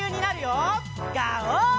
ガオー！